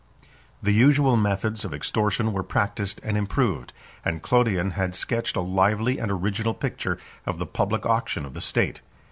The usual methods of extortion were practised and improved; and Claudian has sketched a lively and original picture of the public auction of the state.